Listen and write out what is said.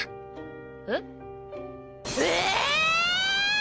えっ？ええ！？